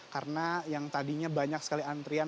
karena yang tadinya banyak sekali antrian